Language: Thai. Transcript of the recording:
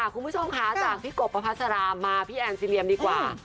คุณผู้ชมค่ะจากพี่กบประพัสรามาพี่แอนซีเรียมดีกว่า